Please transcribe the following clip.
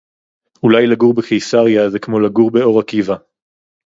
אולי לגור בקיסריה זה כמו לגור באור-עקיבא